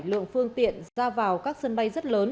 lượng phương tiện ra vào các sân bay rất lớn